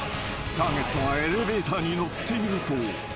［ターゲットがエレベーターに乗っていると］